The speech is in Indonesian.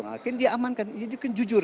mungkin dia amankan ini mungkin jujur